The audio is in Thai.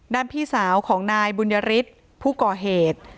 ด้านพี่สาวของนายบุญริตผู้ก่อเหตุ